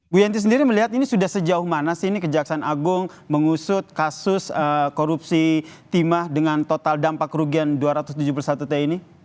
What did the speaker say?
bu yanti sendiri melihat ini sudah sejauh mana sih ini kejaksaan agung mengusut kasus korupsi timah dengan total dampak kerugian dua ratus tujuh puluh satu t ini